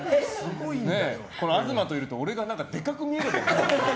東といると俺がでかく見える。